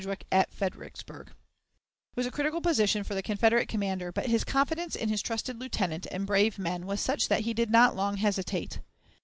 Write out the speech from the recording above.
It was a critical position for the Confederate commander, but his confidence in his trusted lieutenant and brave men was such that he did not long hesitate.